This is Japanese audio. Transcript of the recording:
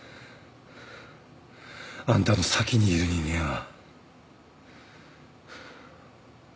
あんたの先にいる人間は。